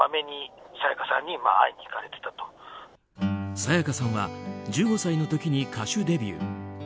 沙也加さんは１５歳の時に歌手デビュー。